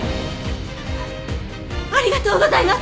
ありがとうございます！